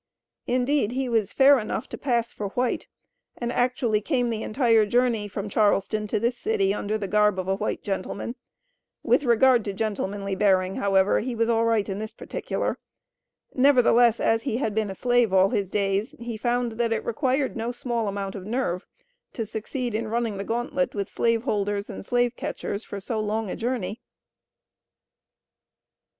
Indeed, he was fair enough to pass for white, and actually came the entire journey from Charleston to this city under the garb of a white gentleman. With regard to gentlemanly bearing, however, he was all right in this particular. Nevertheless, as he had been a slave all his days, he found that it required no small amount of nerve to succeed in running the gauntlet with slave holders and slave catchers for so long a journey.